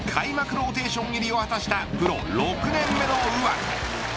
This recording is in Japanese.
ローテーション入りを果たしたプロ６年目の右腕。